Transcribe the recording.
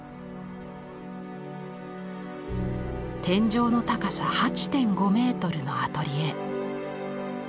天井の高さ８．５メートルのアトリエ。